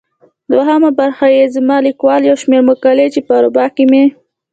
دوهمه برخه يې زما ليکوال يو شمېر مقالې چي په اروپا کې مي.